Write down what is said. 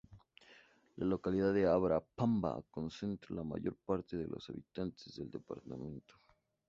La localidad de Abra Pampa concentra la mayor parte de los habitantes del departamento.